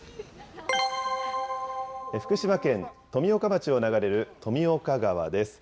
福島県富岡町を流れる富岡川です。